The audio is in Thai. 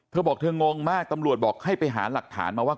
เธอบอกเธองงมากตำรวจบอกให้ไปหาหลักฐานมาว่า